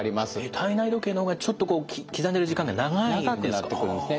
体内時計の方がちょっとこう刻んでる時間が長いんですか。